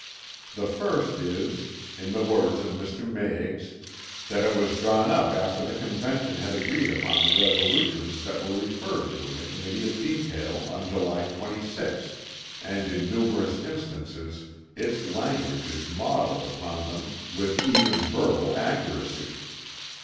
The first is (in the words of Mr. Meigs) "that it was drawn up after the Convention had agreed upon the resolutions that were referred to the Committee of Detail on July 26th; and in numerous instances its language is modeled upon them with even verbal accuracy."